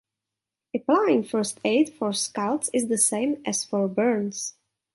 Applying first aid for scalds is the same as for burns.